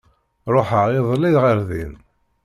Ruḥeɣ iḍelli ɣer din.